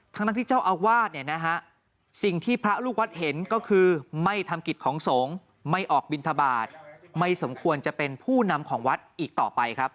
ทั้งที่เจ้าอาวาสเนี่ยนะฮะสิ่งที่พระลูกวัดเห็นก็คือไม่ทำกิจของสงฆ์ไม่ออกบินทบาทไม่สมควรจะเป็นผู้นำของวัดอีกต่อไปครับ